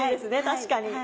確かに。